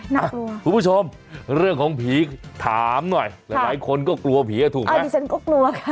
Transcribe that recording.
น่ากลัวคุณผู้ชมเรื่องของผีถามหน่อยหลายคนก็กลัวผีถูกไหมอันนี้ฉันก็กลัวค่ะ